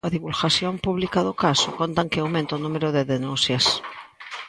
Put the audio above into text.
Coa divulgación pública do caso, contan que aumente o número de denuncias.